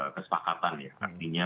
kesepakatan ya artinya